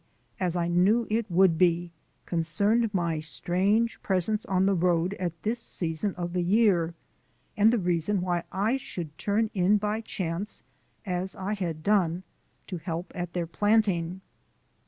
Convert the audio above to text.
as I knew it would be concerned my strange presence on the road at this season of the year and the reason why I should turn in by chance, as I had done, to help at their planting.